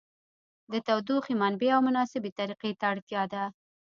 د تودوخې منبع او مناسبې طریقې ته اړتیا ده.